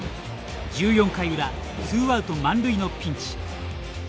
１４回裏ツーアウト満塁のピンチ。